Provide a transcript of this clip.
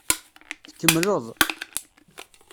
Tkemmleḍ.